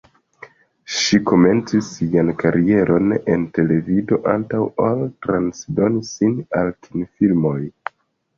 Ŝi komencis sian karieron en televido antaŭ ol transdoni sin al kinfilmoj.